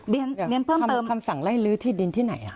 เรียนเพิ่มเติมคำสั่งไล่ลื้อที่ดินที่ไหน